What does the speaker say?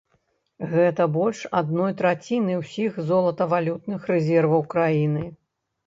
Гэта больш адной траціны ўсіх золатавалютных рэзерваў краіны.